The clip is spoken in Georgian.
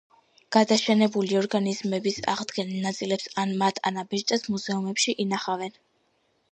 გადაშენებული ორგანიზმების აღდგენილ ნაწილებს ან მათ ანაბეჭდებს მუზეუმებში ინახავენ.